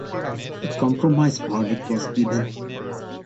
A compromise verdict was given.